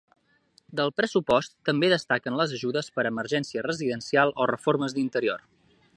Del pressupost també destaquen les ajudes per a emergència residencial o reformes d’interior.